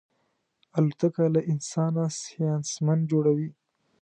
الوتکه له انسانه ساینسمن جوړوي.